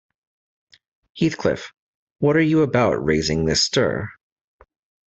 Heathcliff, what are you about, raising this stir?